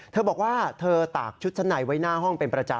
เธอบอกว่าเธอตากชุดชั้นในไว้หน้าห้องเป็นประจำ